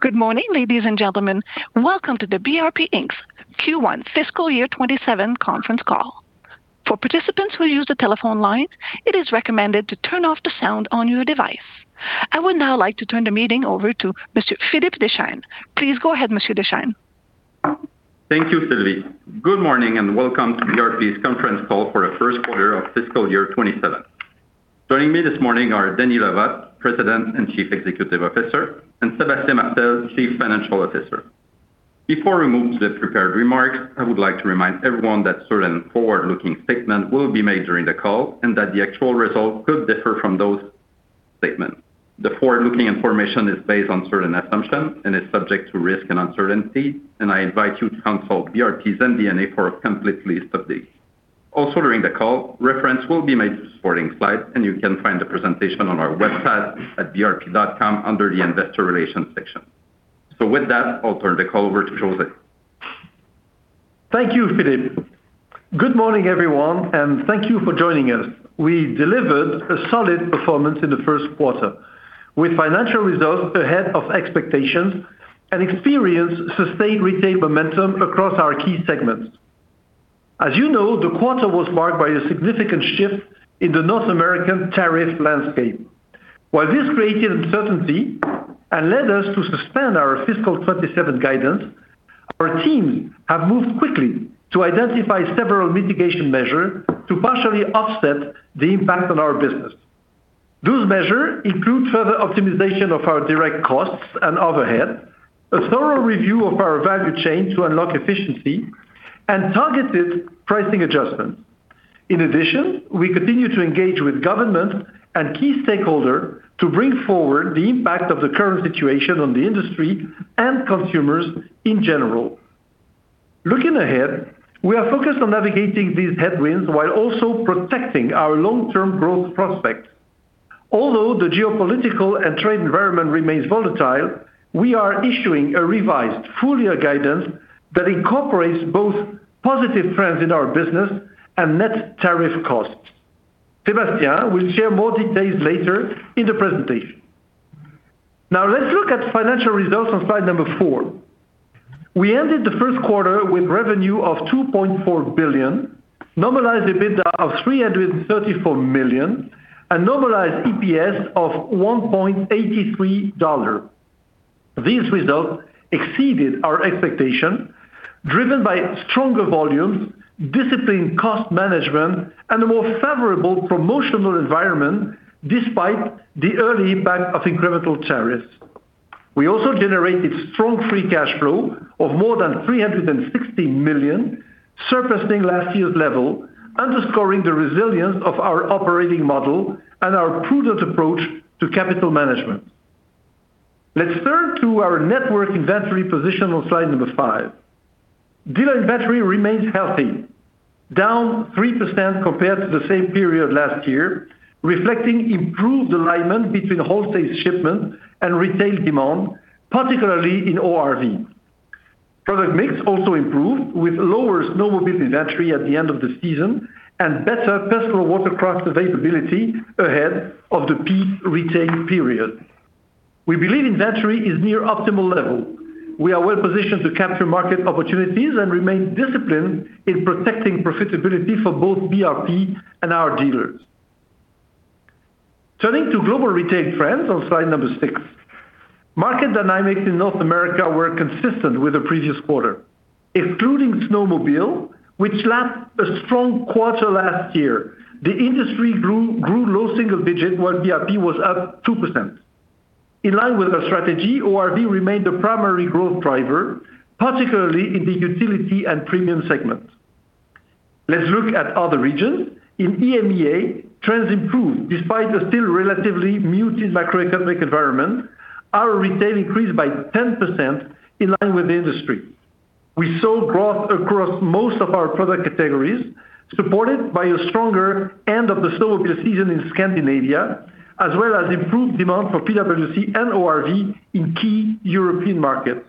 Good morning, ladies and gentlemen. Welcome to the BRP Inc.'s Q1 fiscal year 2027 conference call. For participants who use the telephone line, it is recommended to turn off the sound on your device. I would now like to turn the meeting over to Mr. Philippe Deschênes. Please go ahead, Mr. Deschênes. Thank you, Sylvie. Good morning and welcome to BRP's conference call for the first quarter of fiscal year 2027. Joining me this morning are Denis Le Vot, President and Chief Executive Officer, and Sébastien Martel, Chief Financial Officer. Before we move to the prepared remarks, I would like to remind everyone that certain forward-looking statements will be made during the call, and that the actual results could differ from those statements. The forward-looking information is based on certain assumptions and is subject to risk and uncertainty, and I invite you to consult BRP's MD&A for a complete list of these. Also during the call, reference will be made to supporting slides, and you can find the presentation on our website at brp.com under the investor relations section. With that, I'll turn the call over to José. Thank you, Philippe. Good morning, everyone, and thank you for joining us. We delivered a solid performance in the first quarter with financial results ahead of expectations and experienced sustained retail momentum across our key segments. As you know, the quarter was marked by a significant shift in the North American tariff landscape. While this created uncertainty and led us to suspend our fiscal 2027 guidance, our team have moved quickly to identify several mitigation measures to partially offset the impact on our business. Those measures include further optimization of our direct costs and overhead, a thorough review of our value chain to unlock efficiency, and targeted pricing adjustments. In addition, we continue to engage with government and key stakeholders to bring forward the impact of the current situation on the industry and consumers in general. Looking ahead, we are focused on navigating these headwinds while also protecting our long-term growth prospects. Although the geopolitical and trade environment remains volatile, we are issuing a revised full-year guidance that incorporates both positive trends in our business and net tariff costs. Sébastien will share more details later in the presentation. Now let's look at financial results on slide number four. We ended the first quarter with revenue of 2.4 billion, normalized EBITDA of 334 million, and normalized EPS of 1.83 dollar. These results exceeded our expectation driven by stronger volumes, disciplined cost management, and a more favorable promotional environment despite the early impact of incremental tariffs. We also generated strong free cash flow of more than 360 million, surpassing last year's level, underscoring the resilience of our operating model and our prudent approach to capital management. Let's turn to our network inventory position on slide number five. Dealer inventory remains healthy, down 3% compared to the same period last year, reflecting improved alignment between wholesale shipment and retail demand, particularly in ORV. Product mix also improved with lower snowmobile inventory at the end of the season and better personal watercraft availability ahead of the peak retail period. We believe inventory is near optimal level. We are well positioned to capture market opportunities and remain disciplined in protecting profitability for both BRP and our dealers. Turning to global retail trends on slide number six. Market dynamics in North America were consistent with the previous quarter, excluding snowmobile, which lacked a strong quarter last year. The industry grew low single digits, while BRP was up 2%. In line with our strategy, ORV remained the primary growth driver, particularly in the utility and premium segments. Let's look at other regions. In EMEA, trends improved despite a still relatively muted macroeconomic environment. Our retail increased by 10% in line with the industry. We saw growth across most of our product categories, supported by a stronger end of the snowmobile season in Scandinavia, as well as improved demand for PWC and ORV in key European markets.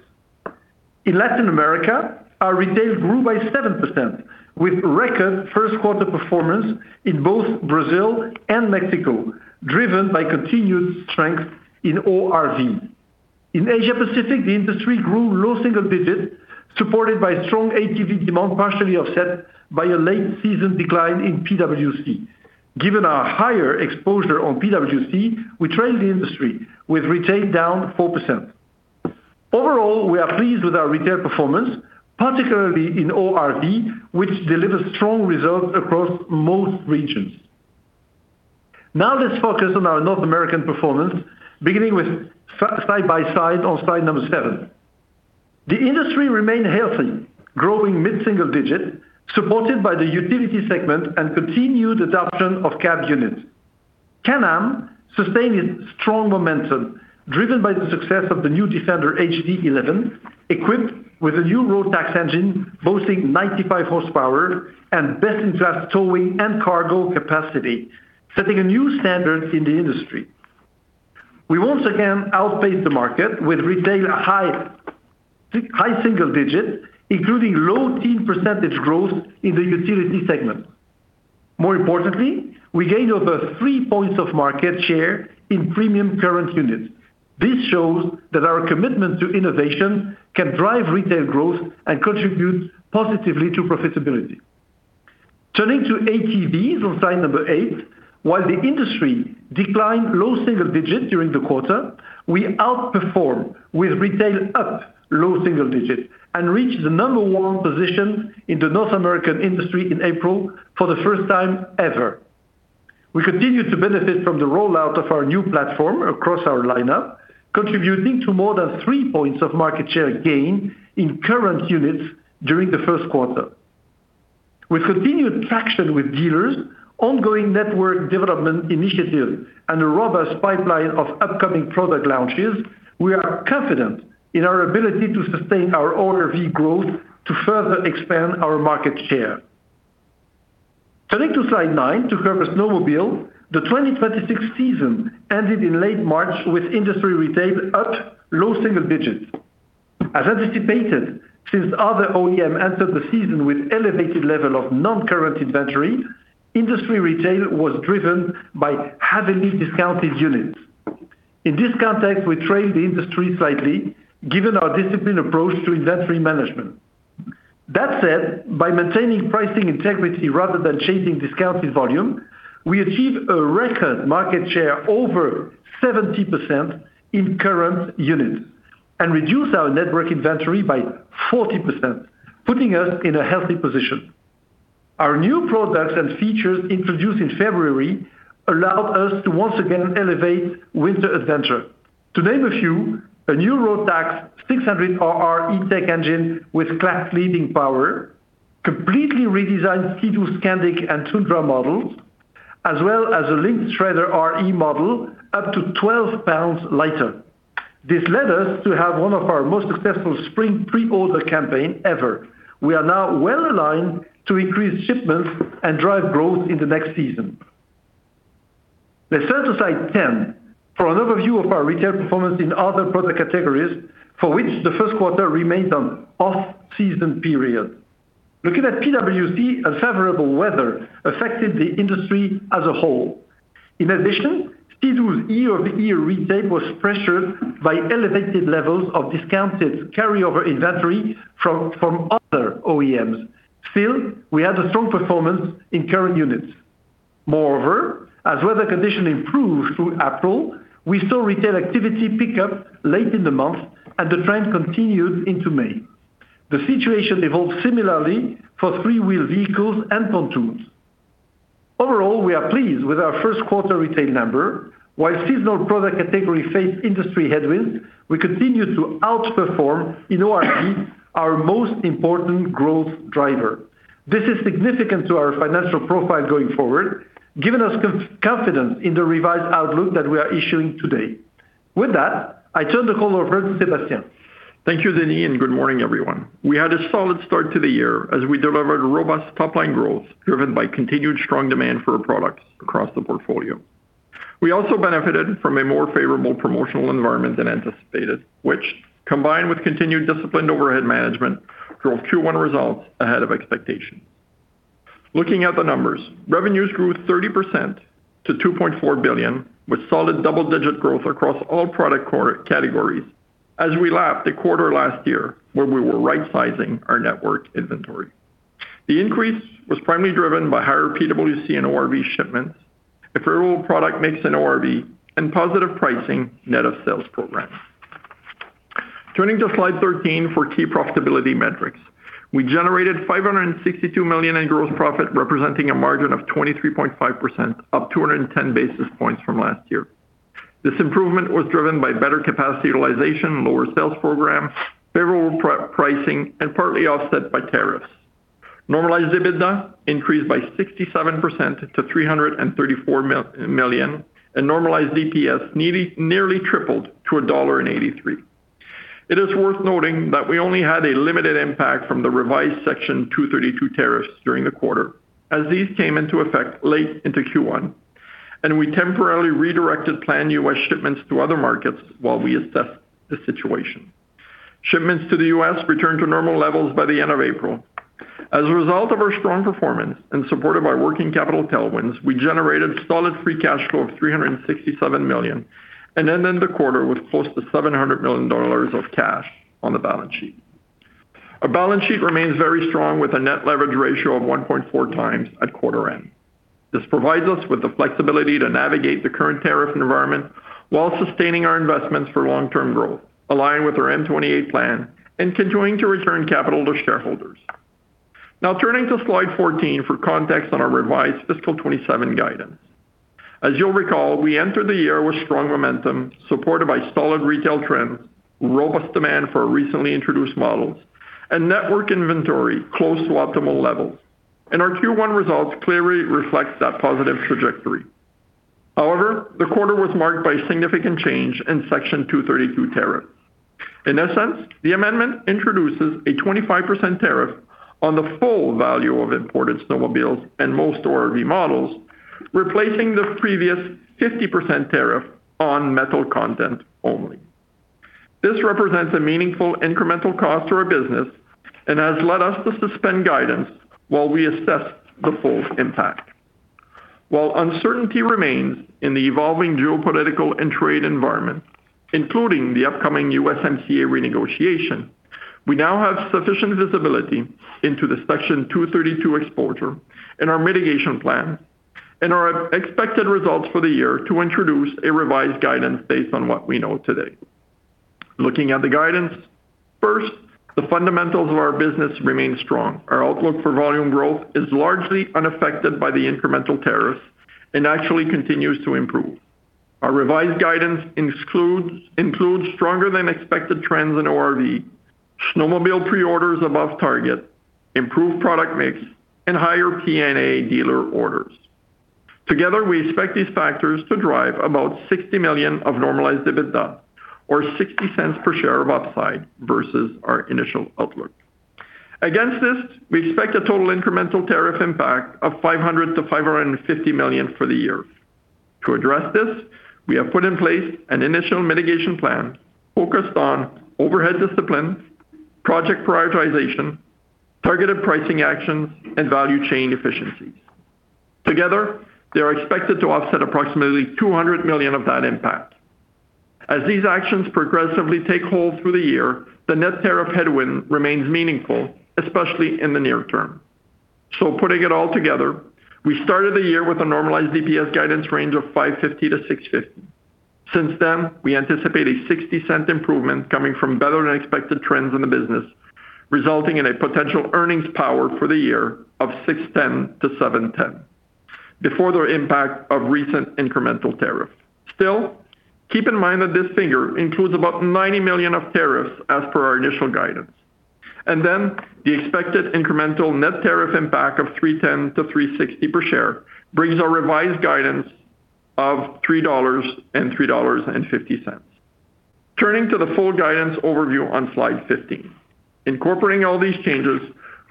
In Latin America, our retail grew by 7%, with record first quarter performance in both Brazil and Mexico, driven by continued strength in ORV. In Asia Pacific, the industry grew low single digits, supported by strong ATV demand partially offset by a late-season decline in PWC. Given our higher exposure on PWC, we trailed the industry with retail down 4%. Overall, we are pleased with our retail performance, particularly in ORV, which delivers strong results across most regions. Now let's focus on our North American performance, beginning with side by side on slide number seven. The industry remained healthy, growing mid-single digits, supported by the utility segment and continued adoption of cab units. Can-Am sustained its strong momentum driven by the success of the new Defender HD11, equipped with a new Rotax engine boasting 95 horsepower and best-in-class towing and cargo capacity, setting a new standard in the industry. We once again outpaced the market with retail high single digits, including low teen percentage growth in the utility segment. More importantly, we gained over three points of market share in premium current units. This shows that our commitment to innovation can drive retail growth and contribute positively to profitability. Turning to ATVs on slide number eight, while the industry declined low single digits during the quarter, we outperformed with retail up low single digits and reached the number one position in the North American industry in April for the first time ever. We continue to benefit from the rollout of our new platform across our lineup, contributing to more than three points of market share gain in current units during the first quarter. With continued traction with dealers, ongoing network development initiatives, and a robust pipeline of upcoming product launches, we are confident in our ability to sustain our ORV growth to further expand our market share. Turning to slide nine to cover snowmobile, the 2026 season ended in late March with industry retail up low single digits. As anticipated, since other OEM entered the season with elevated level of non-current inventory, industry retail was driven by heavily discounted units. In this context, we trailed the industry slightly, given our disciplined approach to inventory management. That said, by maintaining pricing integrity rather than chasing discounted volume, we achieved a record market share over 70% in current units and reduced our network inventory by 40%, putting us in a healthy position. Our new products and features introduced in February allowed us to once again elevate winter adventure. To name a few, a new Rotax 600RR E-TEC engine with class-leading power, completely redesigned Ski-Doo, Skandic, and Tundra models, as well as a Lynx Shredder RE model up to 12 pounds lighter. This led us to have one of our most successful spring pre-order campaign ever. We are now well-aligned to increase shipments and drive growth in the next season. Let's turn to slide 10 for an overview of our retail performance in other product categories for which the first quarter remains an off-season period. Looking at PWC, unfavorable weather affected the industry as a whole. In addition, Ski-Doo's year-over-year retail was pressured by elevated levels of discounted carryover inventory from other OEMs. We had a strong performance in current units. As weather condition improved through April, we saw retail activity pick up late in the month, and the trend continued into May. The situation evolved similarly for three-wheel vehicles and pontoons. We are pleased with our first quarter retail number. While seasonal product category faced industry headwinds, we continue to outperform in ORV, our most important growth driver. This is significant to our financial profile going forward, giving us confidence in the revised outlook that we are issuing today. With that, I turn the call over to Sébastien. Thank you, Denis. Good morning, everyone. We had a solid start to the year as we delivered robust top-line growth driven by continued strong demand for our products across the portfolio. We also benefited from a more favorable promotional environment than anticipated, which, combined with continued disciplined overhead management, drove Q1 results ahead of expectations. Looking at the numbers, revenues grew 30% to 2.4 billion, with solid double-digit growth across all product categories as we lapped a quarter last year where we were rightsizing our network inventory. The increase was primarily driven by higher PWC and ORV shipments, a favorable product mix in ORV, and positive pricing net of sales programs. Turning to slide 13 for key profitability metrics. We generated 562 million in gross profit, representing a margin of 23.5%, up 210 basis points from last year. This improvement was driven by better capacity utilization, lower sales programs, favorable pricing, and partly offset by tariffs. Normalized EBITDA increased by 67% to 334 million, and normalized EPS nearly tripled to 1.83 dollar. It is worth noting that we only had a limited impact from the revised Section 232 tariffs during the quarter, as these came into effect late into Q1, and we temporarily redirected planned U.S. shipments to other markets while we assessed the situation. Shipments to the U.S. returned to normal levels by the end of April. As a result of our strong performance and supported by working capital tailwinds, we generated solid free cash flow of 367 million and ended the quarter with close to 700 million dollars of cash on the balance sheet. Our balance sheet remains very strong with a net leverage ratio of 1.4x at quarter end. This provides us with the flexibility to navigate the current tariff environment while sustaining our investments for long-term growth, aligned with our M28 plan and continuing to return capital to shareholders. Turning to slide 14 for context on our revised fiscal 2027 guidance. As you'll recall, we entered the year with strong momentum, supported by solid retail trends, robust demand for our recently introduced models, and network inventory close to optimal levels. Our Q1 results clearly reflects that positive trajectory. The quarter was marked by significant change in Section 232 tariffs. In essence, the amendment introduces a 25% tariff on the full value of imported snowmobiles and most ORV models, replacing the previous 50% tariff on metal content only. This represents a meaningful incremental cost to our business and has led us to suspend guidance while we assess the full impact. While uncertainty remains in the evolving geopolitical and trade environment, including the upcoming USMCA renegotiation, we now have sufficient visibility into the Section 232 exposure and our mitigation plan and our expected results for the year to introduce a revised guidance based on what we know today. Looking at the guidance, first, the fundamentals of our business remain strong. Our outlook for volume growth is largely unaffected by the incremental tariffs and actually continues to improve. Our revised guidance includes stronger-than-expected trends in ORV, snowmobile pre-orders above target, improved product mix, and higher P&A dealer orders. Together, we expect these factors to drive about 60 million of normalized EBITDA, or 0.60 per share of upside versus our initial outlook. Against this, we expect a total incremental tariff impact of 500 million-550 million for the year. To address this, we have put in place an initial mitigation plan focused on overhead discipline, project prioritization, targeted pricing actions, and value chain efficiencies. Together, they are expected to offset approximately 200 million of that impact. As these actions progressively take hold through the year, the net tariff headwind remains meaningful, especially in the near term. Putting it all together, we started the year with a normalized DPS guidance range of 5.50-6.50. Since then, we anticipate a 0.60 improvement coming from better-than-expected trends in the business, resulting in a potential earnings power for the year of 6.10-7.10 before the impact of recent incremental tariffs. Still, keep in mind that this figure includes about 90 million of tariffs as per our initial guidance. The expected incremental net tariff impact of 3.10-3.60 per share brings our revised guidance of 3.00 dollars and 3.50 dollars. Turning to the full guidance overview on slide 15. Incorporating all these changes,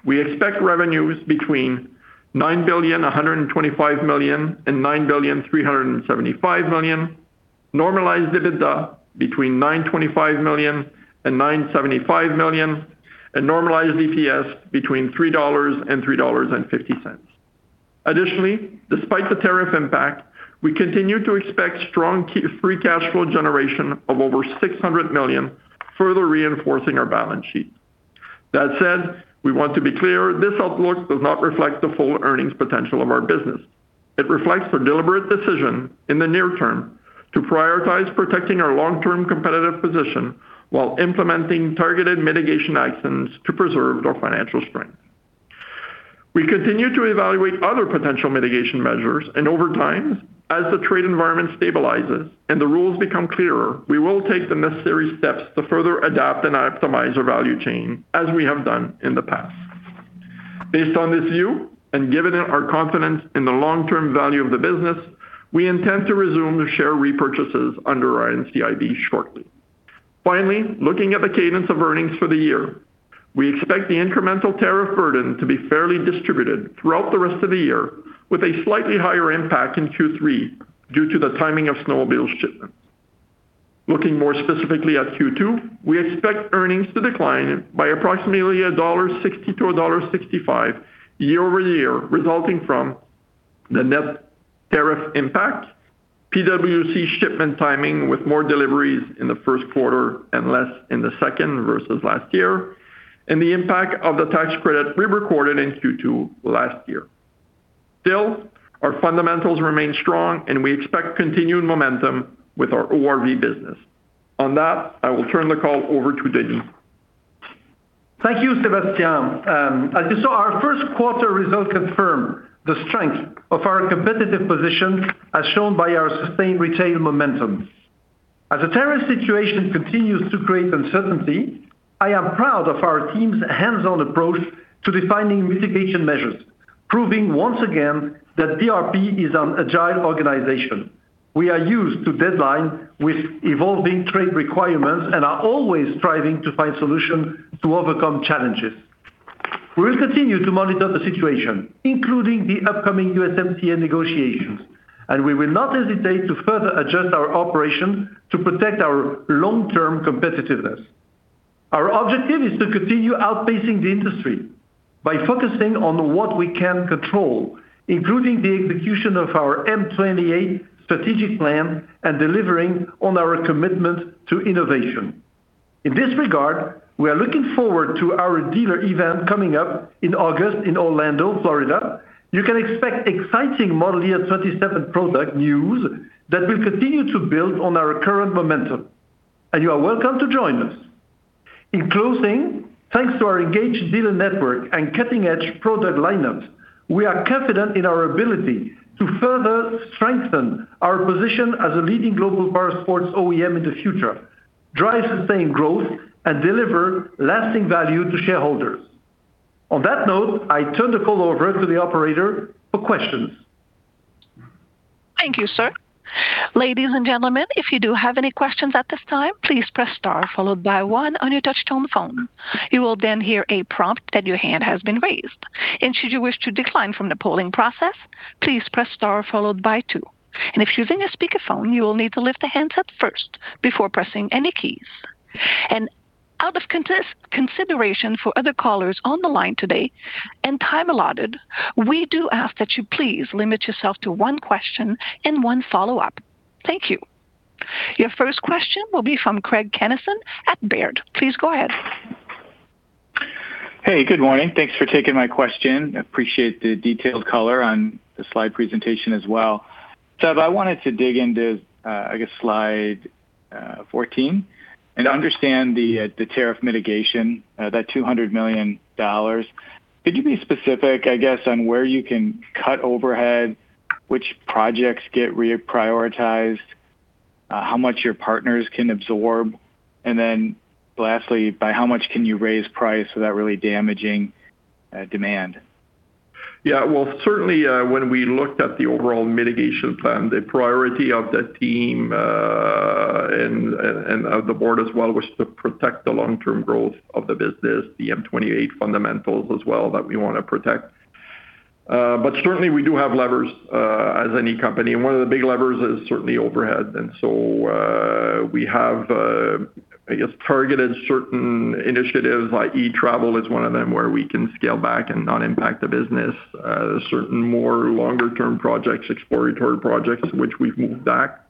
we expect revenues between 9 billion 125 million and 9 billion 375 million, normalized EBITDA between 925 million and 975 million, and normalized DPS between 3 dollars and 3.50 dollars. Additionally, despite the tariff impact, we continue to expect strong free cash flow generation of over 600 million, further reinforcing our balance sheet. That said, we want to be clear, this outlook does not reflect the full earnings potential of our business. It reflects a deliberate decision in the near term to prioritize protecting our long-term competitive position while implementing targeted mitigation actions to preserve our financial strength. We continue to evaluate other potential mitigation measures, and over time, as the trade environment stabilizes and the rules become clearer, we will take the necessary steps to further adapt and optimize our value chain as we have done in the past. Based on this view, and given our confidence in the long-term value of the business, we intend to resume the share repurchases under NCIB shortly. Finally, looking at the cadence of earnings for the year, we expect the incremental tariff burden to be fairly distributed throughout the rest of the year with a slightly higher impact in Q3 due to the timing of snowmobile shipments. Looking more specifically at Q2, we expect earnings to decline by approximately 1.60-1.65 dollar year-over-year, resulting from the net tariff impact, PWC shipment timing with more deliveries in the first quarter and less in the second versus last year, and the impact of the tax credit we recorded in Q2 last year. Our fundamentals remain strong, and we expect continued momentum with our ORV business. On that, I will turn the call over to Denis. Thank you, Sébastien. As you saw, our first quarter results confirm the strength of our competitive position as shown by our sustained retail momentum. As the tariff situation continues to create uncertainty, I am proud of our team's hands-on approach to defining mitigation measures, proving once again that BRP is an agile organization. We are used to deadlines with evolving trade requirements and are always striving to find solutions to overcome challenges. We will continue to monitor the situation, including the upcoming USMCA negotiations, and we will not hesitate to further adjust our operation to protect our long-term competitiveness. Our objective is to continue outpacing the industry by focusing on what we can control, including the execution of our M28 strategic plan and delivering on our commitment to innovation. In this regard, we are looking forward to our dealer event coming up in August in Orlando, Florida. You can expect exciting model year 2027 product news that will continue to build on our current momentum, and you are welcome to join us. In closing, thanks to our engaged dealer network and cutting-edge product lineup, we are confident in our ability to further strengthen our position as a leading global powersports OEM in the future, drive sustained growth, and deliver lasting value to shareholders. On that note, I turn the call over to the operator for questions. Thank you, sir. Ladies and gentlemen, if you do have any questions at this time, please press star followed by one on your touchtone phone. You will then hear a prompt that your hand has been raised. Should you wish to decline from the polling process, please press star followed by two. If using a speakerphone, you will need to lift the handset first before pressing any keys. Out of consideration for other callers on the line today and time allotted, we do ask that you please limit yourself to one question and one follow-up. Thank you. Your first question will be from Craig Kennison at Baird. Please go ahead. Hey, good morning. Thanks for taking my question. Appreciate the detailed color on the slide presentation as well. Seb, I wanted to dig into, I guess, slide 14 and understand the tariff mitigation, that 200 million dollars. Could you be specific, I guess, on where you can cut overhead, which projects get reprioritized, how much your partners can absorb? Lastly, by how much can you raise price without really damaging demand? Yeah. Well, certainly, when we looked at the overall mitigation plan, the priority of the team and of the board as well was to protect the long-term growth of the business, the M28 fundamentals as well that we want to protect. Certainly, we do have levers, as any company, and one of the big levers is certainly overhead. We have, I guess, targeted certain initiatives, like e-travel is one of them, where we can scale back and not impact the business. Certain more longer-term projects, exploratory projects, which we've moved back.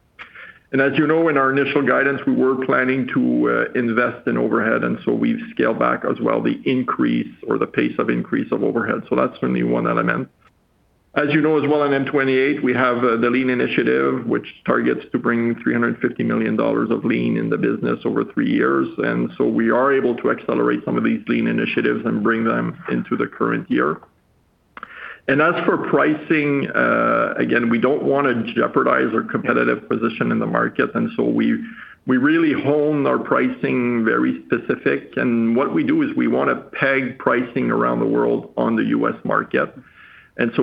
As you know, in our initial guidance, we were planning to invest in overhead, we've scaled back as well the increase or the pace of increase of overhead. That's certainly one element. As you know as well in M28, we have the lean initiative, which targets to bring 350 million dollars of lean in the business over three years. We are able to accelerate some of these lean initiatives and bring them into the current year. As for pricing, again, we don't want to jeopardize our competitive position in the market, so we really hone our pricing very specific. What we do is we want to peg pricing around the world on the U.S. market.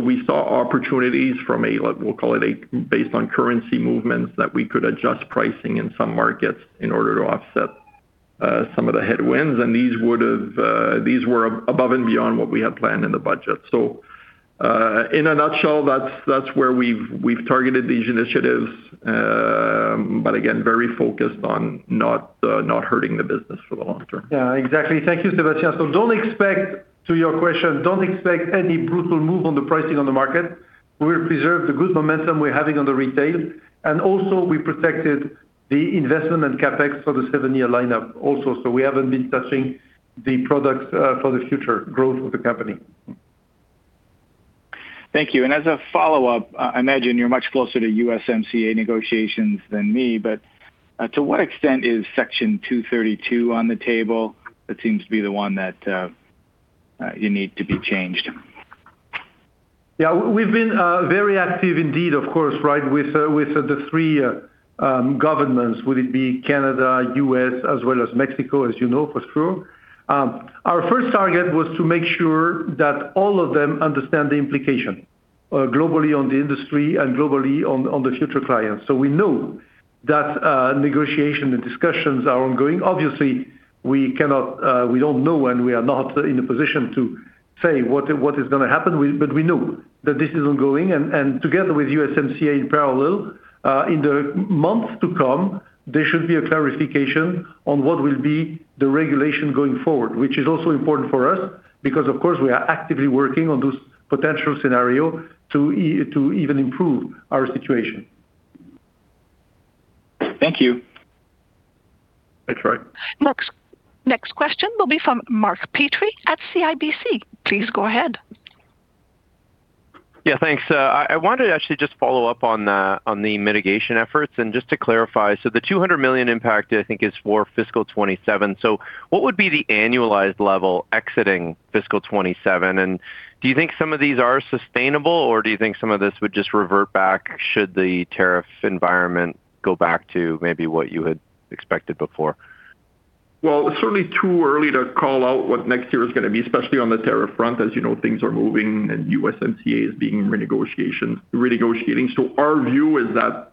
We saw opportunities from a, we'll call it based on currency movements, that we could adjust pricing in some markets in order to offset some of the headwinds, and these were above and beyond what we had planned in the budget. In a nutshell, that's where we've targeted these initiatives. Again, very focused on not hurting the business for the long term. Yeah, exactly. Thank you, Sébastien. To your question, don't expect any brutal move on the pricing on the market. We will preserve the good momentum we're having on the retail. Also, we protected the investment and CapEx for the seven-year lineup also. We haven't been touching the products for the future growth of the company. Thank you. As a follow-up, I imagine you're much closer to USMCA negotiations than me, but to what extent is Section 232 on the table? That seems to be the one that you need to be changed. Yeah. We've been very active indeed, of course, with the three governments, would it be Canada, U.S., as well as Mexico, as you know, for sure. Our first target was to make sure that all of them understand the implication globally on the industry and globally on the future clients. We know that negotiation and discussions are ongoing. Obviously, we don't know and we are not in a position to say what is going to happen, but we know that this is ongoing. Together with USMCA in parallel, in the months to come, there should be a clarification on what will be the regulation going forward, which is also important for us because, of course, we are actively working on this potential scenario to even improve our situation. Thank you. Thanks, Craig. Next question will be from Mark Petrie at CIBC. Please go ahead. Yeah, thanks. I wanted to actually just follow up on the mitigation efforts and just to clarify. The 200 million impact, I think, is for fiscal 2027. What would be the annualized level exiting fiscal 2027? Do you think some of these are sustainable, or do you think some of this would just revert back should the tariff environment go back to maybe what you had expected before? Well, it's certainly too early to call out what next year is going to be, especially on the tariff front. As you know, things are moving and USMCA is being renegotiating. Our view is that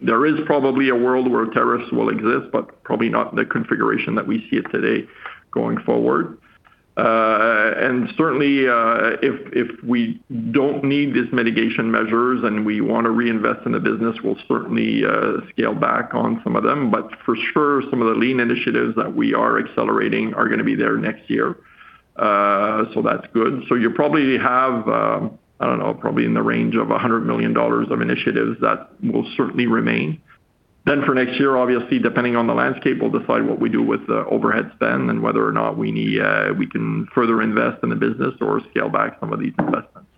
there is probably a world where tariffs will exist, but probably not in the configuration that we see it today going forward. Certainly, if we don't need these mitigation measures and we want to reinvest in the business, we'll certainly scale back on some of them. For sure, some of the lean initiatives that we are accelerating are going to be there next year. That's good. You probably have, I don't know, probably in the range of 100 million dollars of initiatives that will certainly remain. For next year, obviously, depending on the landscape, we'll decide what we do with the overhead spend and whether or not we can further invest in the business or scale back some of these investments.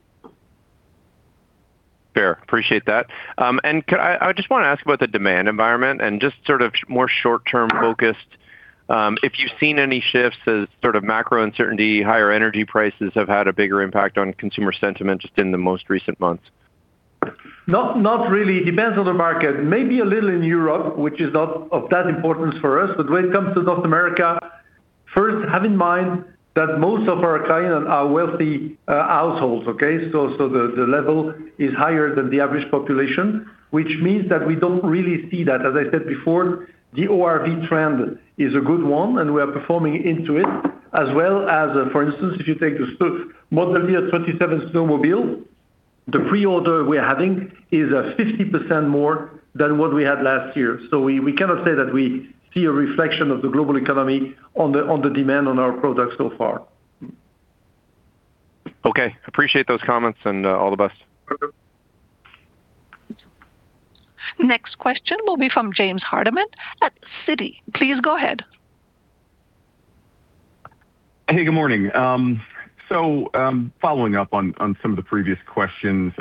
Fair. Appreciate that. I just want to ask about the demand environment and just sort of more short-term focused, if you've seen any shifts as sort of macro uncertainty, higher energy prices have had a bigger impact on consumer sentiment just in the most recent months. Not really. Depends on the market. Maybe a little in Europe, which is not of that importance for us. When it comes to North America, first, have in mind that most of our clients are wealthy households, okay? The level is higher than the average population, which means that we don't really see that. As I said before, the ORV trend is a good one, and we are performing into it, as well as, for instance, if you take the Model Year 2027 snowmobile The pre-order we're having is 50% more than what we had last year. We cannot say that we see a reflection of the global economy on the demand on our products so far. Okay. Appreciate those comments and all the best. Okay. Next question will be from James Hardiman at Citi. Please go ahead. Hey, good morning. Following up on some of the previous questions,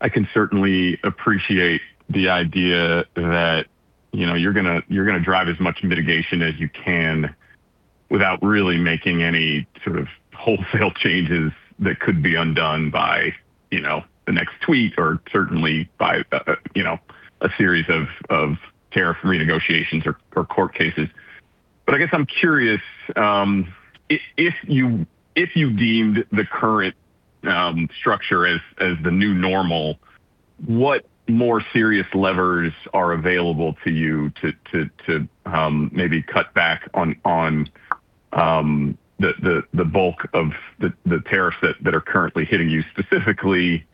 I can certainly appreciate the idea that you're going to drive as much mitigation as you can without really making any sort of wholesale changes that could be undone by the next tweet or certainly by a series of tariff renegotiations or court cases. I guess I'm curious, if you deemed the current structure as the new normal, what more serious levers are available to you to maybe cut back on the bulk of the tariffs that are currently hitting you? Specifically,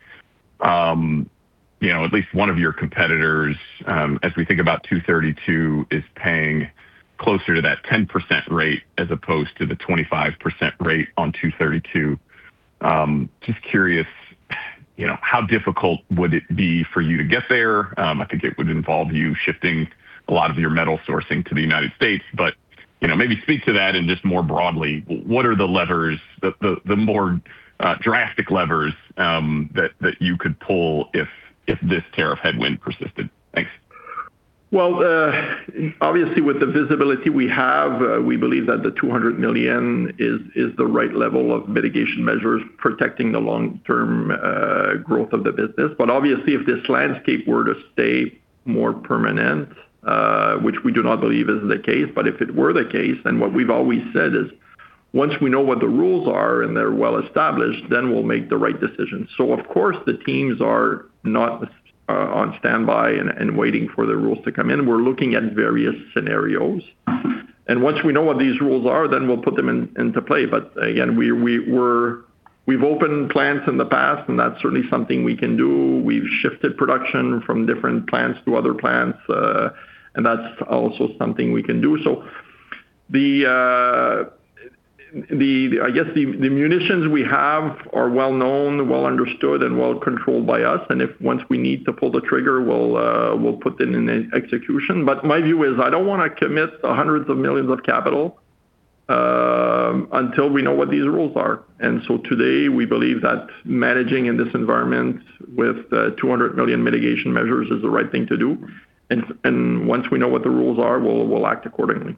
at least one of your competitors, as we think about 232, is paying closer to that 10% rate as opposed to the 25% rate on 232. Just curious, how difficult would it be for you to get there? I think it would involve you shifting a lot of your metal sourcing to the United States. Maybe speak to that and just more broadly, what are the more drastic levers that you could pull if this tariff headwind persisted? Thanks. Well, obviously with the visibility we have, we believe that the 200 million is the right level of mitigation measures protecting the long-term growth of the business. Obviously if this landscape were to stay more permanent, which we do not believe is the case, but if it were the case, then what we've always said is once we know what the rules are and they're well established, then we'll make the right decision. Of course, the teams are not on standby and waiting for the rules to come in. We're looking at various scenarios. Once we know what these rules are, then we'll put them into play. Again, we've opened plants in the past, and that's certainly something we can do. We've shifted production from different plants to other plants, and that's also something we can do. I guess the munitions we have are well known, well understood, and well controlled by us. If once we need to pull the trigger, we'll put it in execution. My view is, I don't want to commit hundreds of millions of capital until we know what these rules are. Today, we believe that managing in this environment with the 200 million mitigation measures is the right thing to do. Once we know what the rules are, we'll act accordingly.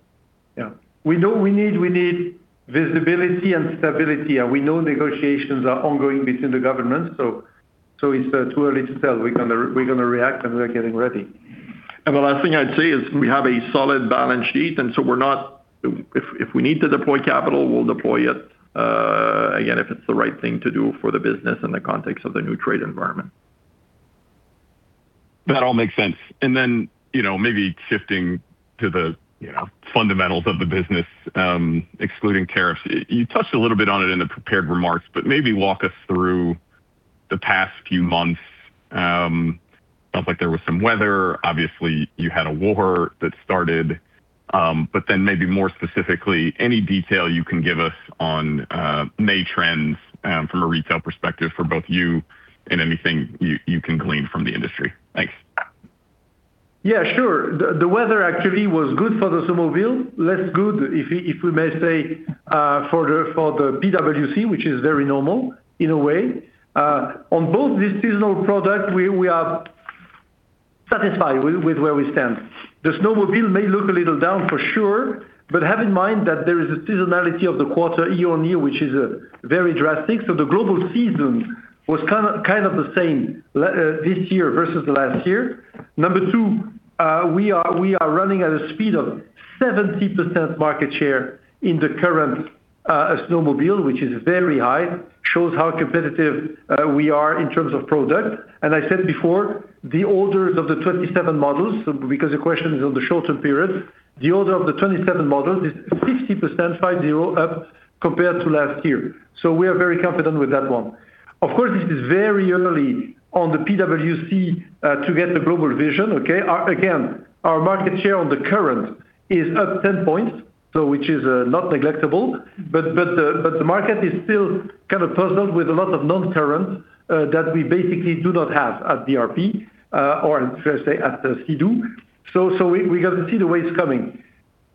Yeah. We know we need visibility and stability, and we know negotiations are ongoing between the governments, so it's too early to tell. We're going to react, and we're getting ready. The last thing I'd say is we have a solid balance sheet, if we need to deploy capital, we'll deploy it, again, if it's the right thing to do for the business in the context of the new trade environment. That all makes sense. Maybe shifting to the fundamentals of the business, excluding tariffs. You touched a little bit on it in the prepared remarks, but maybe walk us through the past few months. Sounds like there was some weather. Obviously, you had a war that started. Maybe more specifically, any detail you can give us on May trends from a retail perspective for both you and anything you can glean from the industry. Thanks. Yeah, sure. The weather actually was good for the snowmobile, less good, if we may say, for the PWC, which is very normal in a way. On both these seasonal product, we are satisfied with where we stand. The snowmobile may look a little down for sure, but have in mind that there is a seasonality of the quarter year-on-year, which is very drastic. The global season was kind of the same this year versus last year. Number two, we are running at a speed of 70% market share in the current snowmobile, which is very high, shows how competitive we are in terms of product. And I said before, the orders of the 27 models, because the question is on the shorter period, the order of the 27 models is 50%, five zero, up compared to last year. We are very confident with that one. Of course, this is very early on the PWC to get the global vision, okay? Again, our market share on the current is up 10 points, which is not neglectable. The market is still kind of puzzled with a lot of non-current that we basically do not have at BRP or I should say at Sea-Doo. We got to see the way it's coming.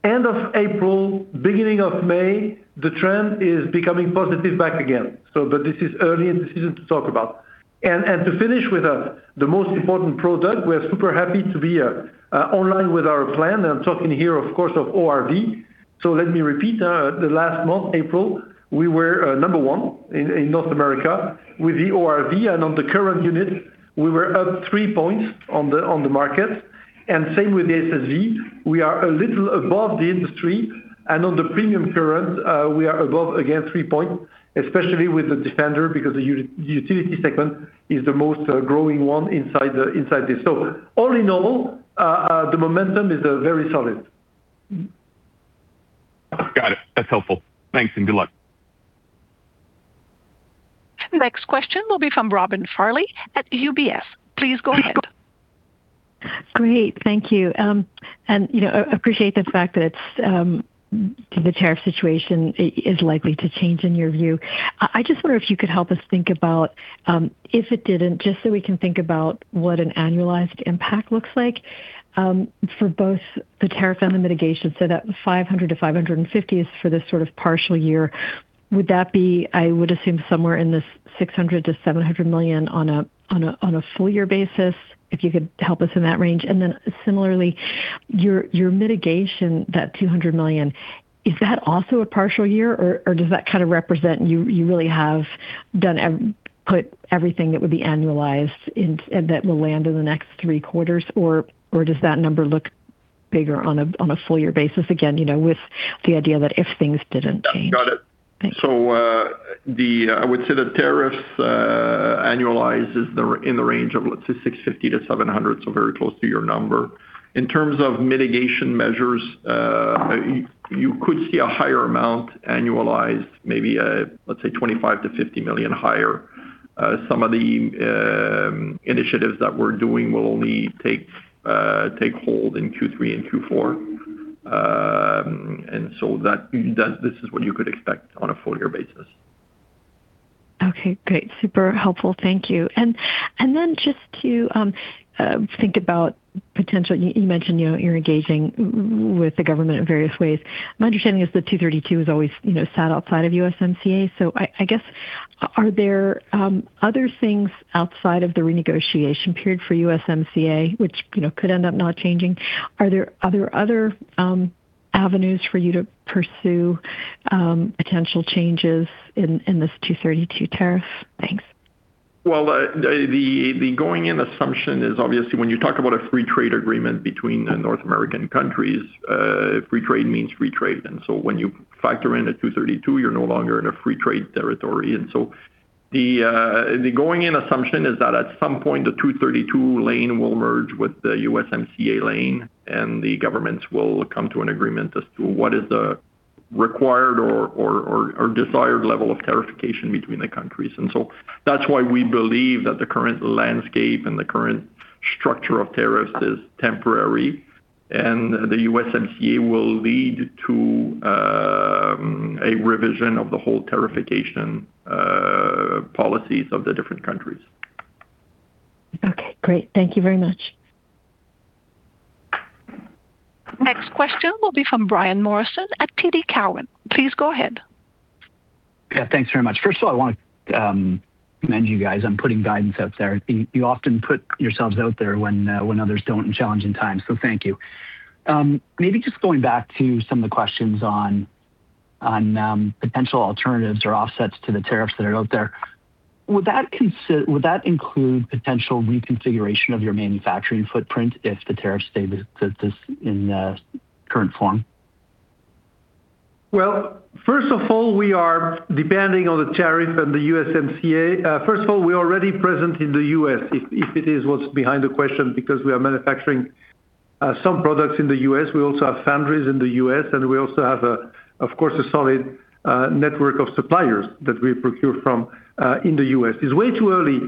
End of April, beginning of May, the trend is becoming positive back again. This is early in the season to talk about. To finish with the most important product, we are super happy to be online with our plan. I'm talking here, of course, of ORV. Let me repeat. The last month, April, we were number one in North America with the ORV and on the current unit, we were up three points on the market. Same with the SSV, we are a little above the industry, and on the premium current, we are above, again, three point, especially with the Defender, because the utility segment is the most growing one inside this. All in all, the momentum is very solid. That's helpful. Thanks, and good luck. Next question will be from Robin Farley at UBS. Please go ahead. Great. Thank you. Appreciate the fact that the tariff situation is likely to change in your view. I just wonder if you could help us think about, if it didn't, just so we can think about what an annualized impact looks like for both the tariff and the mitigation, so that 500 million-550 million is for this sort of partial year. Would that be, I would assume, somewhere in this 600 million-700 million on a full year basis? If you could help us in that range. Similarly, your mitigation, that 200 million, is that also a partial year, or does that kind of represent you really have put everything that would be annualized and that will land in the next three quarters, or does that number look bigger on a full year basis again, with the idea that if things didn't change? Yeah. Got it. Thanks. I would say the tariffs annualizes in the range of, let's say 650-700, very close to your number. In terms of mitigation measures, you could see a higher amount annualized, maybe let's say 25 million-50 million higher. Some of the initiatives that we're doing will only take hold in Q3 and Q4. This is what you could expect on a full year basis. Okay, great. Super helpful. Thank you. Just to think about potential, you mentioned you're engaging with the government in various ways. My understanding is the 232 has always sat outside of USMCA. I guess are there other things outside of the renegotiation period for USMCA which could end up not changing? Are there other avenues for you to pursue potential changes in this 232 tariff? Thanks. Well, the going in assumption is obviously when you talk about a free trade agreement between the North American countries, free trade means free trade. When you factor in the 232, you're no longer in a free trade territory. The going in assumption is that at some point, the 232 lane will merge with the USMCA lane, and the governments will come to an agreement as to what is the required or desired level of tariffication between the countries. That's why we believe that the current landscape and the current structure of tariffs is temporary, and the USMCA will lead to a revision of the whole tariffication policies of the different countries. Okay, great. Thank you very much. Next question will be from Brian Morrison at TD Cowen. Please go ahead. Yeah, thanks very much. First of all, I want to commend you guys on putting guidance out there. You often put yourselves out there when others don't in challenging times, so thank you. Maybe just going back to some of the questions on potential alternatives or offsets to the tariffs that are out there. Would that include potential reconfiguration of your manufacturing footprint if the tariffs stay in the current form? Well, first of all, we are depending on the tariff and the USMCA. First of all, we are already present in the U.S., if it is what's behind the question, because we are manufacturing some products in the U.S. We also have foundries in the U.S., we also have, of course, a solid network of suppliers that we procure from in the U.S. It's way too early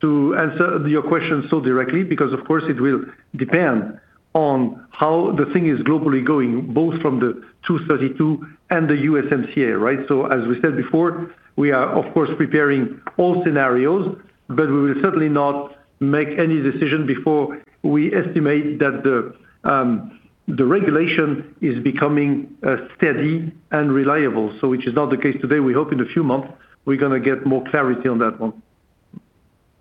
to answer your question so directly, because of course, it will depend on how the thing is globally going, both from the 232 and the USMCA, right? As we said before, we are of course preparing all scenarios, but we will certainly not make any decision before we estimate that the regulation is becoming steady and reliable. Which is not the case today. We hope in a few months, we're going to get more clarity on that one.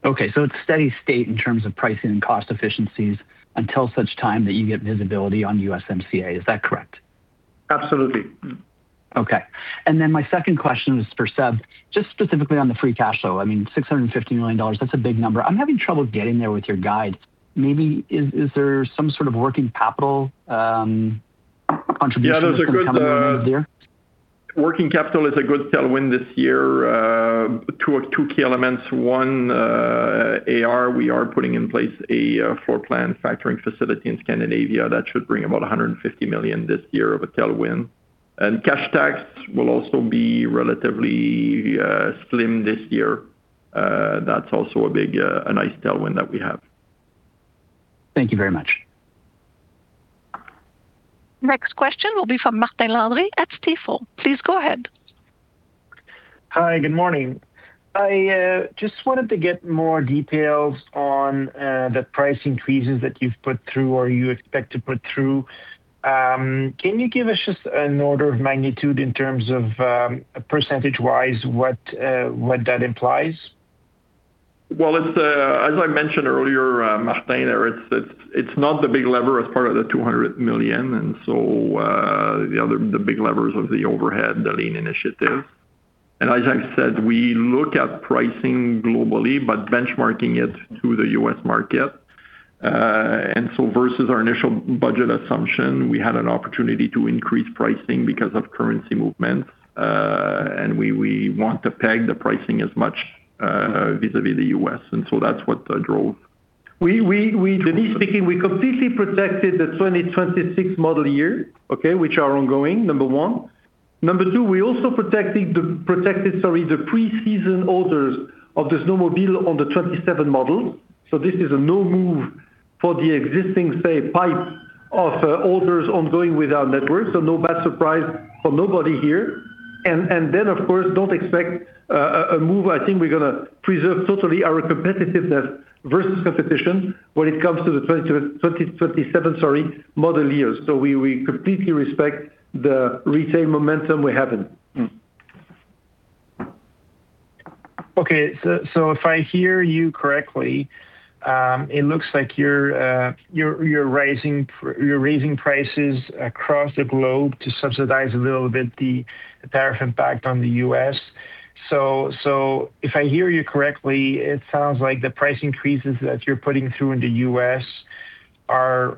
Okay, so it's steady state in terms of pricing and cost efficiencies until such time that you get visibility on USMCA, is that correct? Absolutely. Okay. My second question is for Seb, just specifically on the free cash flow. I mean, 650 million dollars, that's a big number. I'm having trouble getting there with your guide. Maybe is there some sort of working capital contribution that's going to come in there? Yeah, working capital is a good tailwind this year. Two key elements. One, AR, we are putting in place a floor plan factoring facility in Scandinavia that should bring about 150 million this year of a tailwind. Cash tax will also be relatively slim this year. That's also a nice tailwind that we have. Thank you very much. Next question will be from Martin Landry at Stifel. Please go ahead. Hi, good morning. I just wanted to get more details on the price increases that you've put through or you expect to put through. Can you give us just an order of magnitude in terms of percentage-wise what that implies? Well, as I mentioned earlier, Martin, it's not the big lever as part of the 200 million. The other, the big lever is of the overhead, the lean initiative. As I said, we look at pricing globally, but benchmarking it to the U.S. market. Versus our initial budget assumption, we had an opportunity to increase pricing because of currency movement. We want to peg the pricing as much vis-à-vis the U.S., that's what drove Denis speaking. We completely protected the 2026 model year, okay, which are ongoing, number one. Number two, we also protected, sorry, the pre-season orders of the snowmobile on the 2027 model. This is a no move for the existing, say, pipe of orders ongoing with our network. No bad surprise for nobody here. Then of course, don't expect a move. I think we're going to preserve totally our competitiveness versus competition when it comes to the 2027, sorry, model years. We completely respect the retail momentum we have in. Okay. If I hear you correctly, it looks like you're raising prices across the globe to subsidize a little bit the tariff impact on the U.S. If I hear you correctly, it sounds like the price increases that you're putting through in the U.S. are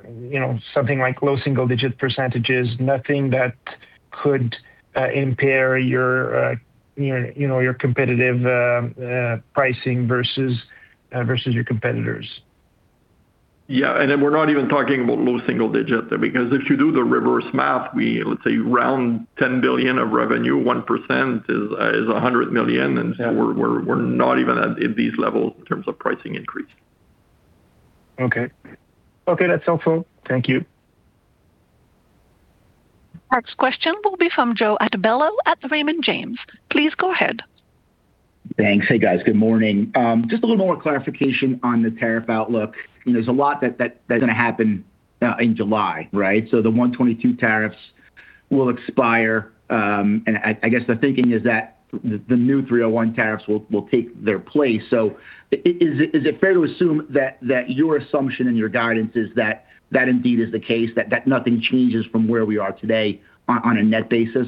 something like low single-digit %, nothing that could impair your competitive pricing versus your competitors. Yeah. We're not even talking about low single digit there, because if you do the reverse math, let's say around 10 billion of revenue, 1% is 100 million. Yeah. We're not even at these levels in terms of pricing increase. Okay. Okay. That's helpful. Thank you. Next question will be from Joseph Altobello at Raymond James. Please go ahead. Thanks. Hey, guys. Good morning. Just a little more clarification on the tariff outlook. There's a lot that's going to happen now in July, right? The 232 tariffs will expire. I guess the thinking is that the new 301 tariffs will take their place. Is it fair to assume that your assumption and your guidance is that indeed is the case, that nothing changes from where we are today on a net basis?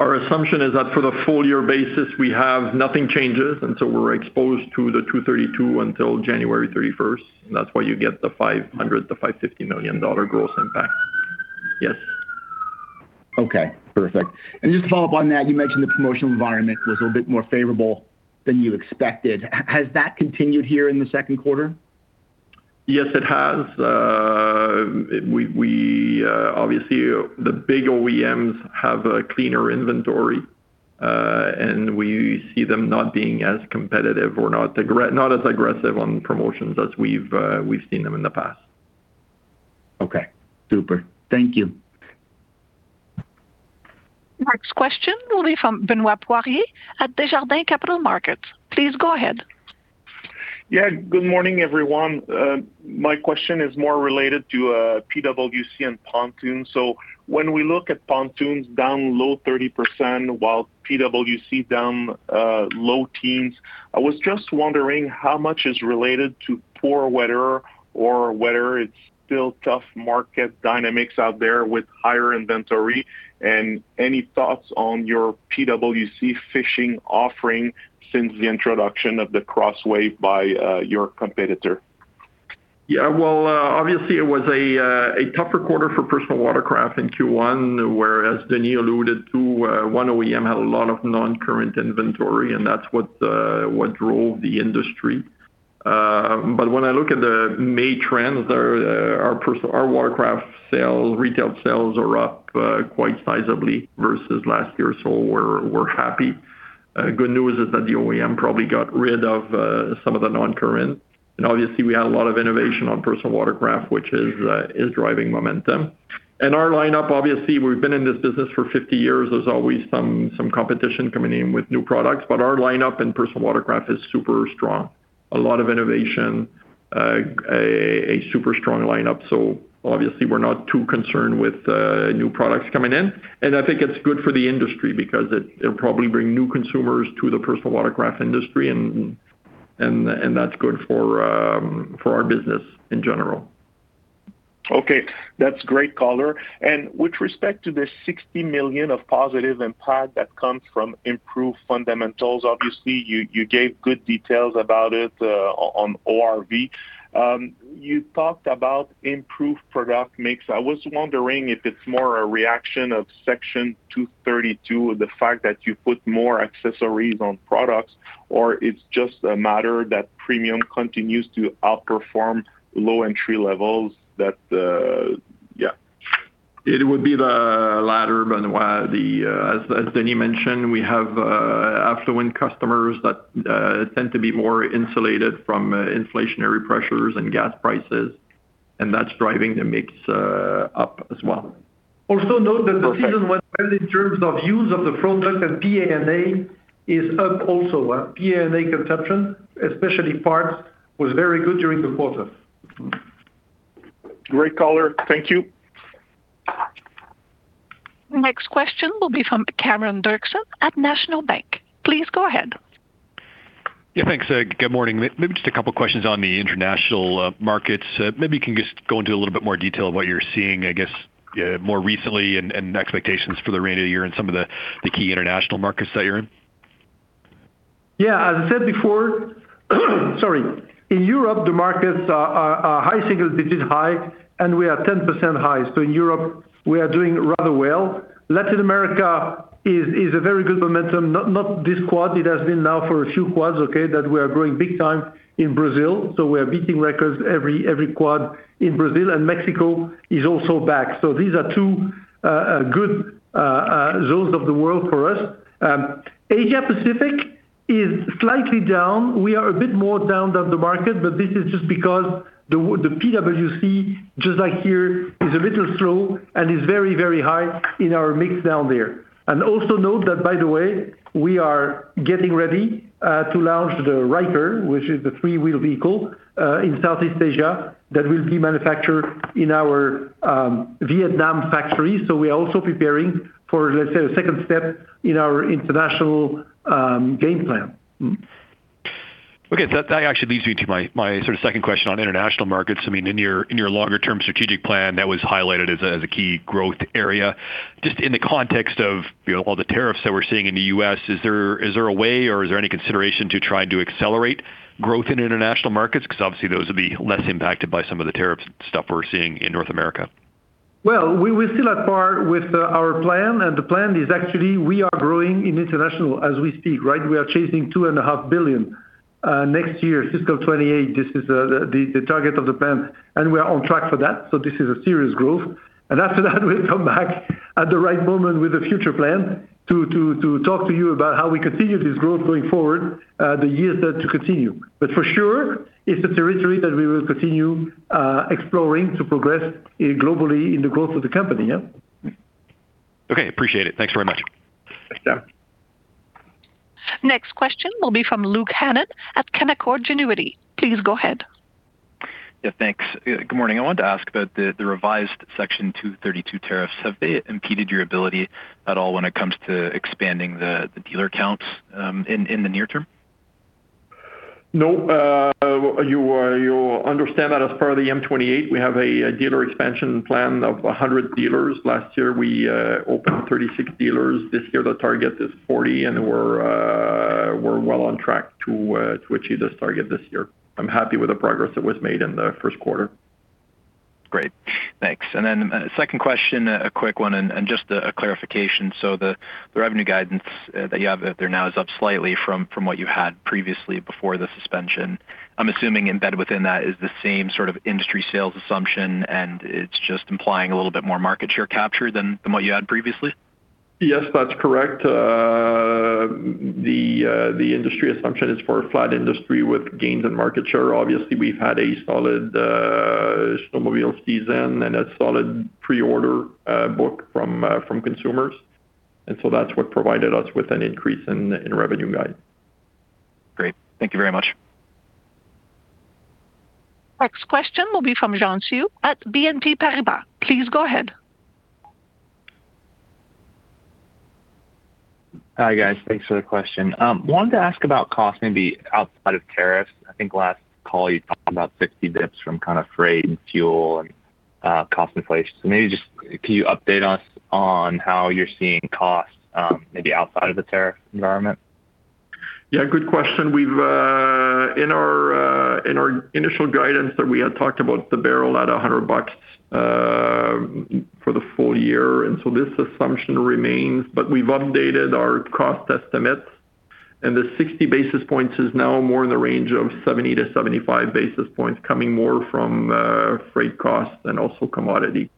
Our assumption is that for the full year basis, we have nothing changes, and so we're exposed to the 232 until January 31st. That's why you get the 500 million-550 million dollar gross impact. Yes. Okay, perfect. Just to follow up on that, you mentioned the promotional environment was a little bit more favorable than you expected. Has that continued here in the second quarter? Yes, it has. Obviously, the big OEMs have a cleaner inventory. We see them not being as competitive or not as aggressive on promotions as we've seen them in the past. Okay, super. Thank you. Next question will be from Benoit Poirier at Desjardins Capital Markets. Please go ahead. Yeah. Good morning, everyone. My question is more related to PWC and pontoons. When we look at pontoons down low 30% while PWC down low teens, I was just wondering how much is related to poor weather or whether it's still tough market dynamics out there with higher inventory. Any thoughts on your PWC fishing offering since the introduction of the CrossWave by your competitor? Well, obviously it was a tougher quarter for personal watercraft in Q1, whereas Denis alluded to one OEM had a lot of non-current inventory, that's what drove the industry. When I look at the May trends, our watercraft retail sales are up quite sizably versus last year. We're happy. Good news is that the OEM probably got rid of some of the non-current. Obviously we had a lot of innovation on personal watercraft, which is driving momentum. Our lineup, obviously, we've been in this business for 50 years. There's always some competition coming in with new products, our lineup in personal watercraft is super strong. A lot of innovation, a super strong lineup. Obviously we're not too concerned with new products coming in. I think it's good for the industry because it'll probably bring new consumers to the personal watercraft industry and that's good for our business in general. Okay. That's great color. With respect to the 60 million of positive impact that comes from improved fundamentals, obviously, you gave good details about it on ORV. You talked about improved product mix. I was wondering if it's more a reaction of Section 232, the fact that you put more accessories on products, or it's just a matter that premium continues to outperform low entry levels? It would be the latter, Benoit. As Denis mentioned, we have affluent customers that tend to be more insulated from inflationary pressures and gas prices, and that's driving the mix up as well. Note that the season went well in terms of use of the product and PNA is up also. PNA consumption, especially parts, was very good during the quarter. Great color. Thank you. Next question will be from Cameron Doerksen at National Bank. Please go ahead. Yeah, thanks. Good morning. Maybe just a couple questions on the international markets. Maybe you can just go into a little bit more detail of what you're seeing, I guess, more recently and expectations for the remainder of the year in some of the key international markets that you're in. Yeah, as I said before in Europe, the markets are high single digits high, and we are 10% high. In Europe, we are doing rather well. Latin America is a very good momentum, not this quad. It has been now for a few quads that we are growing big time in Brazil, so we are beating records every quad in Brazil. Mexico is also back, so these are two good zones of the world for us. Asia Pacific is slightly down. We are a bit more down than the market, but this is just because the PWC, just like here, is a little slow and is very high in our mix down there. Also note that, by the way, we are getting ready to launch the Ryker, which is the three-wheeled vehicle in Southeast Asia that will be manufactured in our Vietnam factory. We are also preparing for, let's say, the second step in our international game plan. That actually leads me to my second question on international markets. In your longer-term strategic plan, that was highlighted as a key growth area. Just in the context of all the tariffs that we're seeing in the U.S., is there a way or is there any consideration to try to accelerate growth in international markets? Obviously those will be less impacted by some of the tariffs stuff we're seeing in North America. Well, we're still at par with our plan. The plan is actually we are growing in international as we speak, right? We are chasing two and a half billion. Next year, fiscal 2028, this is the target of the plan. We are on track for that. This is a serious growth. After that, we'll come back at the right moment with a future plan to talk to you about how we continue this growth going forward the years that to continue. For sure, it's a territory that we will continue exploring to progress globally in the growth of the company, yeah. Okay, appreciate it. Thanks very much. Thanks, Cameron. Next question will be from Luke Hannan at Canaccord Genuity. Please go ahead. Yeah, thanks. Good morning. I wanted to ask about the revised Section 232 tariffs. Have they impeded your ability at all when it comes to expanding the dealer counts in the near term? No. You understand that as part of the M28, we have a dealer expansion plan of 100 dealers. Last year, we opened 36 dealers. This year, the target is 40, and we're well on track to achieve this target this year. I'm happy with the progress that was made in the first quarter. Great, thanks. Second question, a quick one and just a clarification. The revenue guidance that you have there now is up slightly from what you had previously before the suspension. I'm assuming embedded within that is the same sort of industry sales assumption, and it's just implying a little bit more market share capture than what you had previously? Yes, that's correct. The industry assumption is for a flat industry with gains in market share. Obviously, we've had a solid snowmobile season and a solid pre-order book from consumers. That's what provided us with an increase in revenue guide. Great. Thank you very much. Next question will be from Xian Siew at BNP Paribas. Please go ahead. Hi, guys. Thanks for the question. Wanted to ask about cost, maybe outside of tariffs. I think last call you talked about 50 basis points from freight and fuel and cost inflation. Maybe just can you update us on how you're seeing costs maybe outside of the tariff environment? Yeah, good question. In our initial guidance that we had talked about the barrel at 100 bucks for the full year, this assumption remains, but we've updated our cost estimates, and the 60 basis points is now more in the range of 70-75 basis points coming more from freight costs and also commodity.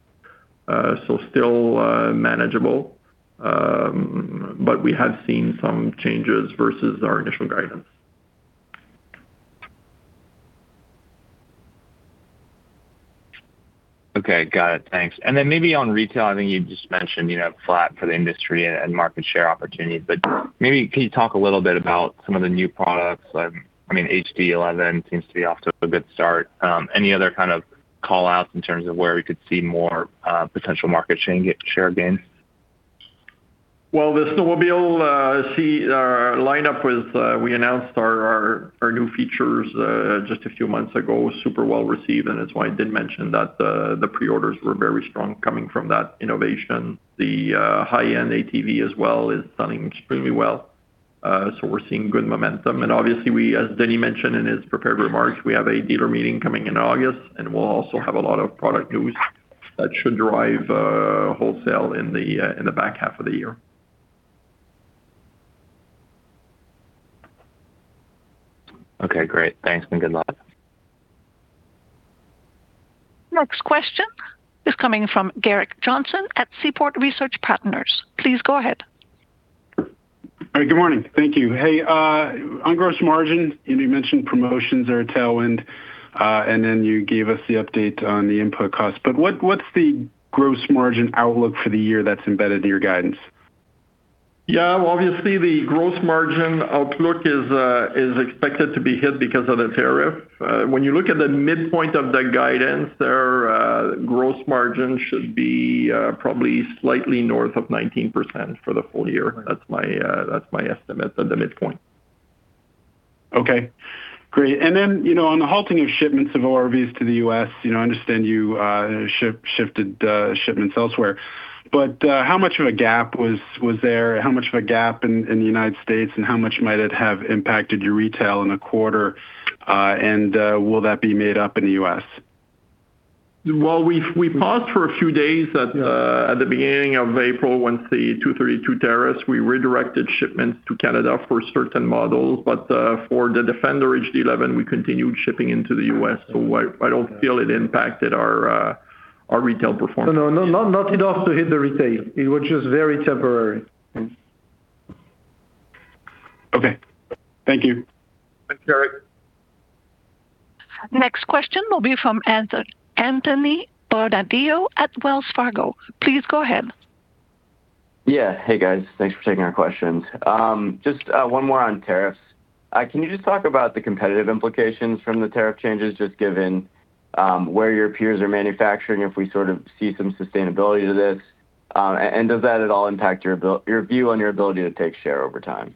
Still manageable, but we have seen some changes versus our initial guidance. Okay, got it. Thanks. Then maybe on retail, I think you just mentioned flat for the industry and market share opportunities, but maybe can you talk a little bit about some of the new products? HD 11 seems to be off to a good start. Any other callouts in terms of where we could see more potential market share gains? Well, the snowmobile lineup was we announced our new features just a few months ago. Super well-received, and it's why I did mention that the pre-orders were very strong coming from that innovation. The high-end ATV as well is selling extremely well. We're seeing good momentum. Obviously, as Denis mentioned in his prepared remarks, we have a dealer meeting coming in August, and we'll also have a lot of product news that should drive wholesale in the back half of the year. Okay, great. Thanks and good luck. Next question is coming from Gerrick Johnson at Seaport Research Partners. Please go ahead. All right, good morning. Thank you. Hey, on gross margin, you mentioned promotions are a tailwind, and then you gave us the update on the input costs. What's the gross margin outlook for the year that's embedded in your guidance? Yeah, obviously the gross margin outlook is expected to be hit because of the tariff. When you look at the midpoint of the guidance there, gross margin should be probably slightly north of 19% for the full year. That's my estimate at the midpoint. Okay, great. On the halting of shipments of ORVs to the U.S., I understand you shifted shipments elsewhere, but how much of a gap was there? How much of a gap in the United States, and how much might it have impacted your retail in a quarter? Will that be made up in the U.S.? Well, we paused for a few days at the beginning of April once the Section 232 tariffs, we redirected shipments to Canada for certain models. For the Defender HD11, we continued shipping into the U.S., so I don't feel it impacted our retail performance. No. Not enough to hit the retail. It was just very temporary. Okay. Thank you. Thanks, Gerrick. Next question will be from Anthony Bonadio at Wells Fargo. Please go ahead. Yeah. Hey, guys. Thanks for taking our questions. Just one more on tariffs. Can you just talk about the competitive implications from the tariff changes, just given where your peers are manufacturing, if we sort of see some sustainability to this? Does that at all impact your view on your ability to take share over time?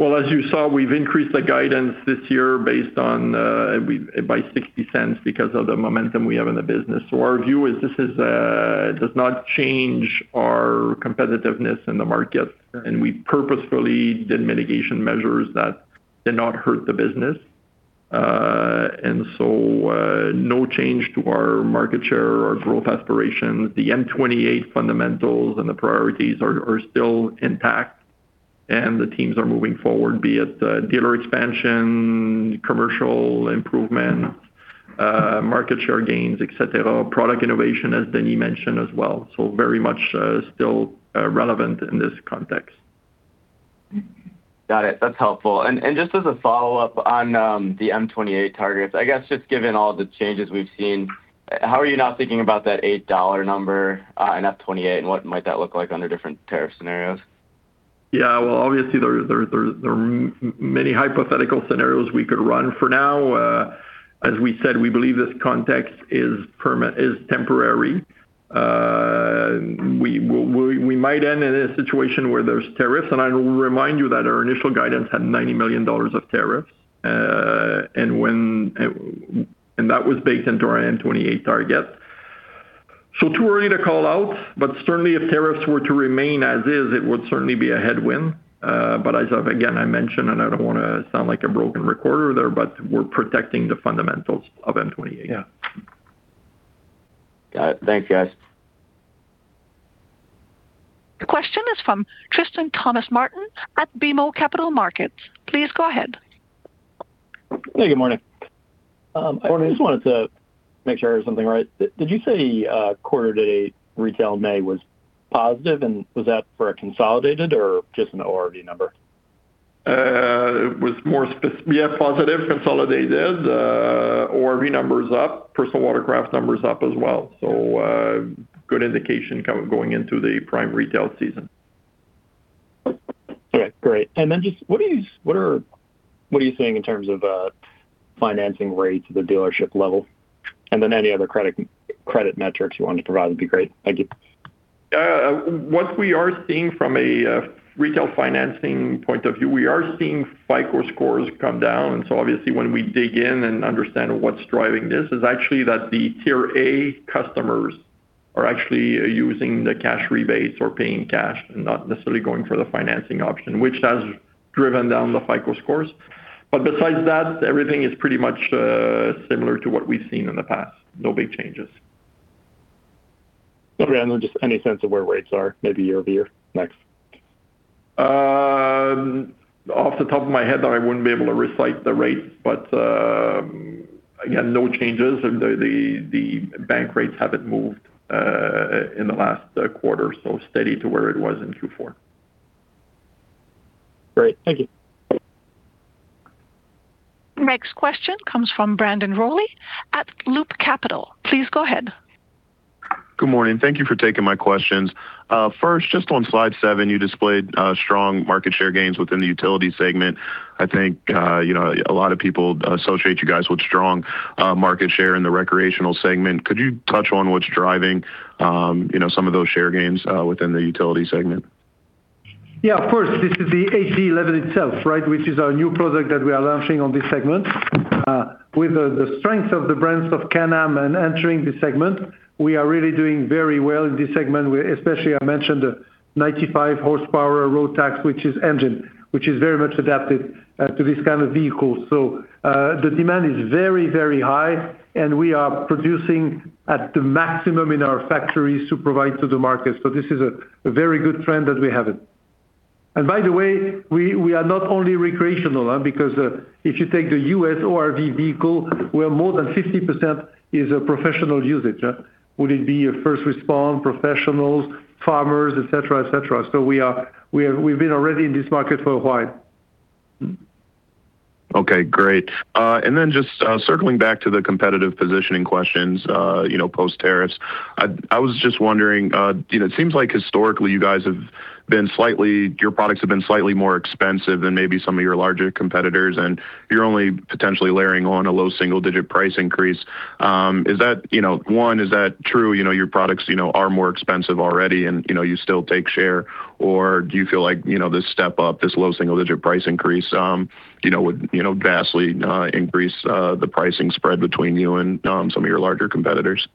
As you saw, we've increased the guidance this year by 0.60 because of the momentum we have in the business. Our view is this does not change our competitiveness in the market, and we purposefully did mitigation measures that did not hurt the business. No change to our market share or growth aspirations. The M28 fundamentals and the priorities are still intact and the teams are moving forward, be it dealer expansion, commercial improvement, market share gains, et cetera, product innovation, as Denis mentioned as well. Very much still relevant in this context. Got it. That's helpful. Just as a follow-up on the M28 targets, I guess just given all the changes we've seen, how are you now thinking about that 8 dollar number in FY 2028, and what might that look like under different tariff scenarios? Yeah. Well, obviously there are many hypothetical scenarios we could run. For now, as we said, we believe this context is temporary. We might end in a situation where there's tariffs. I will remind you that our initial guidance had 90 million dollars of tariffs, and that was baked into our M28 target. Too early to call out. Certainly if tariffs were to remain as is, it would certainly be a headwind. As, again, I mentioned. I don't want to sound like a broken recorder there. We're protecting the fundamentals of M28. Yeah. Got it. Thanks, guys. The question is from Tristan Thomas-Martin at BMO Capital Markets. Please go ahead. Hey, good morning. Morning. I just wanted to make sure I heard something right. Did you say quarter to date retail in May was positive, and was that for a consolidated or just an ORV number? It was more specific. Yeah, positive, consolidated, ORV number is up, personal watercraft numbers up as well. Good indication going into the prime retail season. Okay. Great. Just what are you seeing in terms of financing rates at the dealership level? Any other credit metrics you wanted to provide would be great. Thank you. What we are seeing from a retail financing point of view, we are seeing FICO scores come down. Obviously when we dig in and understand what's driving this is actually that the tier A customers are actually using the cash rebates or paying cash and not necessarily going for the financing option, which has driven down the FICO scores. Besides that, everything is pretty much similar to what we've seen in the past. No big changes. Okay, then just any sense of where rates are, maybe year-over-year, next? Off the top of my head, I wouldn't be able to recite the rates, but again, no changes. The bank rates haven't moved in the last quarter, so steady to where it was in Q4. Great. Thank you. Next question comes from Brendan Rolle at Loop Capital. Please go ahead. Good morning. Thank you for taking my questions. First, just on slide seven, you displayed strong market share gains within the utility segment. I think a lot of people associate you guys with strong market share in the recreational segment. Could you touch on what's driving some of those share gains within the utility segment? Yeah, of course. This is the HD11 itself, which is our new product that we are launching on this segment. With the strength of the brands of Can-Am and entering this segment, we are really doing very well in this segment, especially I mentioned the 95 horsepower Rotax, which is engine, which is very much adapted to this kind of vehicle. The demand is very, very high, and we are producing at the maximum in our factories to provide to the market. This is a very good trend that we're having. By the way, we are not only recreational, because if you take the U.S. ORV vehicle, where more than 50% is a professional usage. Would it be a first response, professionals, farmers, et cetera. We've been already in this market for a while. Okay, great. Just circling back to the competitive positioning questions, post tariffs. I was just wondering, it seems like historically your products have been slightly more expensive than maybe some of your larger competitors, you're only potentially layering on a low single-digit price increase. One, is that true, your products are more expensive already and you still take share or do you feel like, this step up, this low single-digit price increase would vastly increase the pricing spread between you and some of your larger competitors?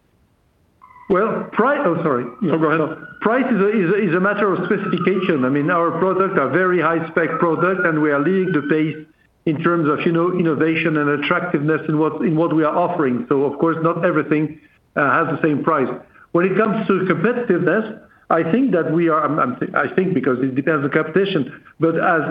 Well, Oh, sorry. No, go ahead. Price is a matter of specification. Our products are very high-spec products, we are leading the pace in terms of innovation and attractiveness in what we are offering. Of course, not everything has the same price. When it comes to competitiveness, I think that we are, I think because it depends on competition, but as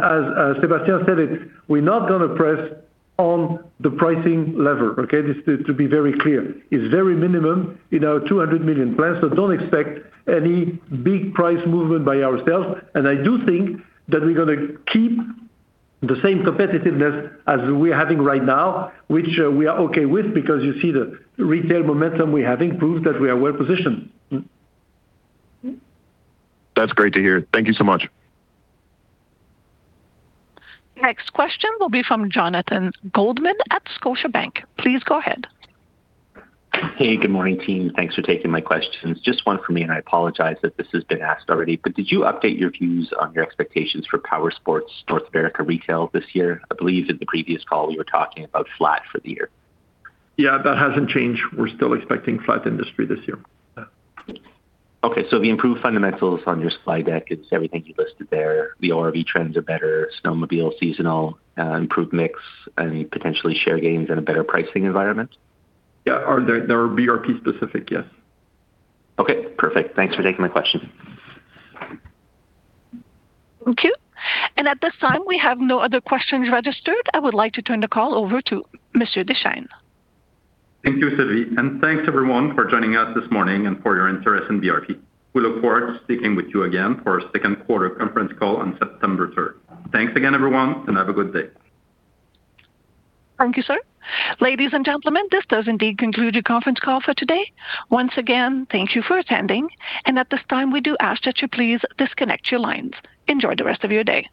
Sébastien said it, we're not going to press on the pricing lever. Just to be very clear. It's very minimum in our 200 million plans, don't expect any big price movement by ourselves. I do think that we're going to keep the same competitiveness as we're having right now, which we are okay with because you see the retail momentum we're having proves that we are well-positioned. That's great to hear. Thank you so much. Next question will be from Jonathan Goldman at Scotiabank. Please go ahead. Hey, good morning, team. Thanks for taking my questions. Just one from me, I apologize if this has been asked already. Did you update your views on your expectations for Powersports North America retail this year? I believe in the previous call you were talking about flat for the year. Yeah, that hasn't changed. We're still expecting flat industry this year. Yeah. Okay, the improved fundamentals on your slide deck, it's everything you listed there, the ORV trends are better, snowmobile seasonal, improved mix, and potentially share gains and a better pricing environment? Yeah. They are BRP specific, yes. Okay, perfect. Thanks for taking my question. Thank you. At this time, we have no other questions registered. I would like to turn the call over to Mr. Deschênes. Thank you, Sylvie. Thanks, everyone, for joining us this morning and for your interest in BRP. We look forward to speaking with you again for our second quarter conference call on September 3rd. Thanks again, everyone, and have a good day. Thank you, sir. Ladies and gentlemen, this does indeed conclude the conference call for today. Once again, thank you for attending. At this time, we do ask that you please disconnect your lines. Enjoy the rest of your day.